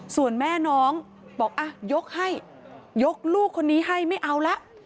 ส่วนแม่น้องบอกยกให้ยกลูกคนนี้ให้ไม่เอาละ